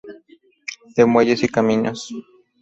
De Muelles y Caminos.